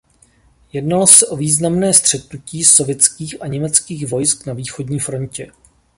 Jednalo se o významné střetnutí sovětských a německých vojsk na východní frontě.